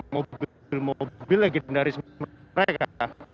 mobil mobil legendaris mereka